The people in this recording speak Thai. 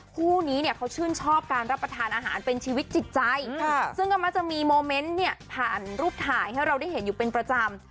คู่นี้เนี่ยเขาชื่นชอบการรับประทานอาหารเป็นชีวิตจิตใจซึ่งก็มักจะมีโมเมนต์เนี่ยผ่านรูปถ่ายให้เราได้เห็นอยู่เป็นประจำ